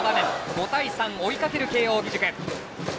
５対３、追いかける慶応義塾。